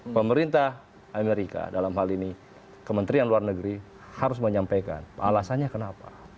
pemerintah amerika dalam hal ini kementerian luar negeri harus menyampaikan alasannya kenapa